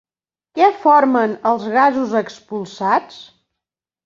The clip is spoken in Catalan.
Què formen els gasos expulsats?